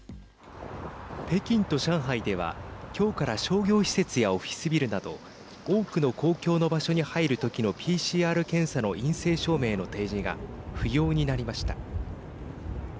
北京と上海では今日から商業施設やオフィスビルなど多くの公共の場所に入る時のＰＣＲ検査の陰性証明の提示が不要になりました。